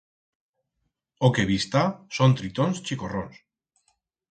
O que bi'stá son tritons chicorrons.